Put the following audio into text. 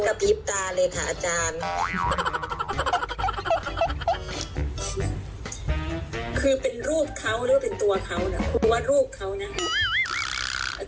คือเป็นรูปเค้าหรือเป็นตัวเค้าเนี่ยคุณว่ารูปเค้านะ